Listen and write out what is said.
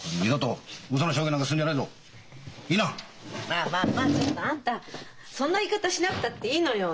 まあまあまあちょっとあんたそんな言い方しなくたっていいのよ。